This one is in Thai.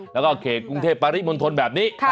แล้วก็เขตกรุงเทพมันพลิกมนตนแบบนี้